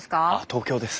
東京です。